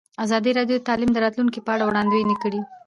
ازادي راډیو د تعلیم د راتلونکې په اړه وړاندوینې کړې.